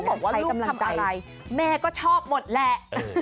บอกว่าลูกทำอะไรแม่ก็ชอบหมดแหละ